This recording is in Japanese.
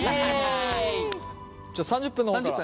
じゃあ３０分の方から。